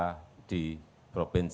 maupun ke sebuah forests